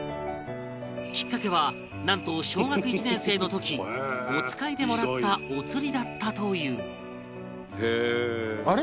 きっかけはなんと小学１年生の時お使いでもらったお釣りだったというあれ？